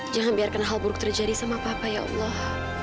jangan biarkan hal buruk terjadi sama papa ya allah